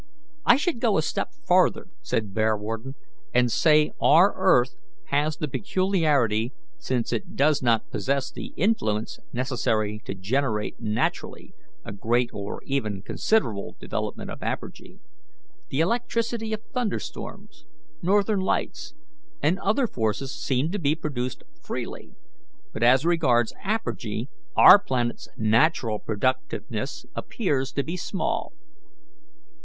"I should go a step further," said Bearwarden, "and say our earth has the peculiarity, since it does not possess the influence necessary to generate naturally a great or even considerable development of apergy. The electricity of thunderstorms, northern lights, and other forces seems to be produced freely, but as regards apergy our planet's natural productiveness appears to be small."